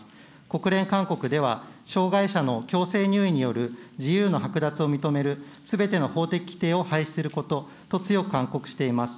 国連勧告では、障害者の強制入院による自由の剥奪を認めるすべての法的規定を廃止することと強く勧告しています。